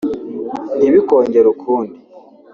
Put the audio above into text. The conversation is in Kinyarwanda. Ntibikongere ukundi